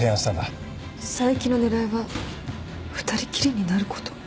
佐伯の狙いは２人きりになること。